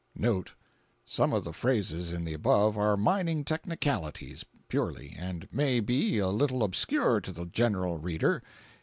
Note: Some of the phrases in the above are mining technicalities, purely, and may be a little obscure to the general reader.